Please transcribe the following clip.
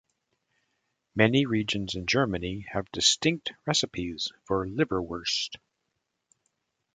Many regions in Germany have distinct recipes for liverwurst.